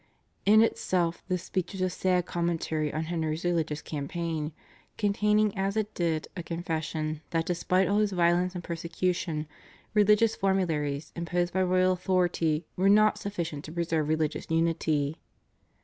In itself this speech was a sad commentary on Henry's religious campaign, containing as it did a confession that despite all his violence and persecution, religious formularies imposed by royal authority were not sufficient to preserve religious unity.